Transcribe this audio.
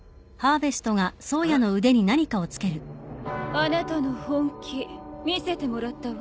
あなたの本気見せてもらったわ。